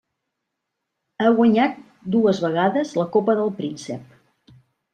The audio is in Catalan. Ha guanyat dues vegades la Copa del Príncep.